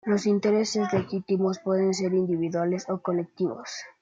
Los intereses legítimos pueden ser individuales o colectivos.